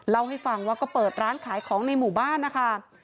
เล่าให้ฟังว่าก็เปิดร้านขายของในหมู่บ้านนะคะ